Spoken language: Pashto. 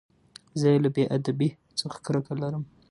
زه له بې ادبۍ څخه کرکه لرم.